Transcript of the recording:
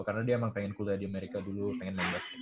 karena dia emang pengen kuliah di amerika dulu pengen main basket